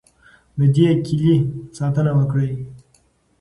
د دې کیلي ساتنه وکړئ.